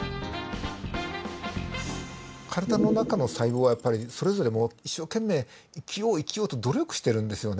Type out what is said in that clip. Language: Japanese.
体の中の細胞はやっぱりそれぞれもう一生懸命生きよう生きようと努力してるんですよね。